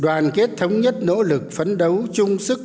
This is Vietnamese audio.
chung quân đoàn kết thống nhất nỗ lực phấn đấu chung sức